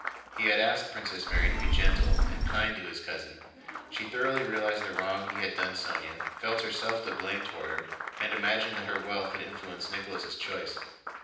He had asked Princess Mary to be gentle and kind to his cousin. She thoroughly realized the wrong he had done Sónya, felt herself to blame toward her, and imagined that her wealth had influenced Nicholas' choice.